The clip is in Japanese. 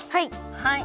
はい。